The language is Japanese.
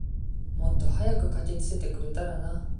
もっと早く駆けつけてくれたらな。